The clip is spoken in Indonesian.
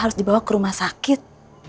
harus dibawa ke rumah sakit